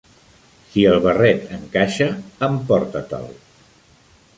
Si el barret encaixa, emportate"l.